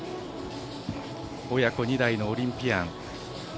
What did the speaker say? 親子２代のオリンピアン。